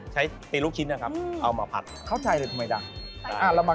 ใช่ครับผัดเราใส่น้ำมันงา